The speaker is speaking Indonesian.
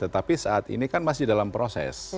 tetapi saat ini kan masih dalam proses